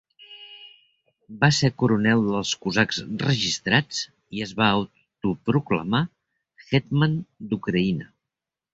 Va ser coronel dels cosacs registrats i es va autoproclamar "hetman" d'Ucraïna.